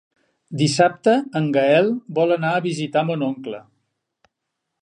Dissabte en Gaël vol anar a visitar mon oncle.